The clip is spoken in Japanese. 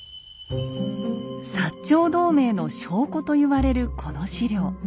長同盟の証拠と言われるこの史料。